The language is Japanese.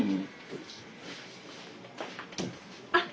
あっ！